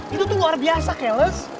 itu tuh luar biasa cales